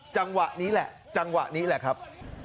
จังหวะนี้แหละจังหวะนี้แหละครับ